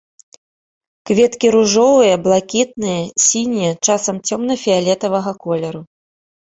Кветкі ружовыя, блакітныя, сінія, часам цёмна-фіялетавага колеру.